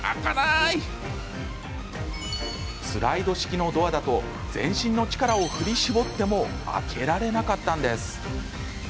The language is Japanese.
スライド式のドアだと全身の力を振り絞っても開けられなかったんです。